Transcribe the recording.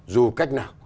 dù cách nào